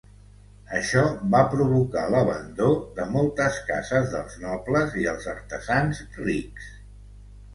Això va provocar l'abandó de moltes cases dels nobles i els artesans rics.